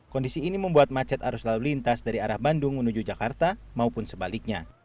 kondisi ini membuat macet arus lalu lintas dari arah bandung menuju jakarta maupun sebaliknya